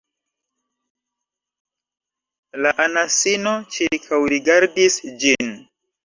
La anasino ĉirkaŭrigardis ĝin.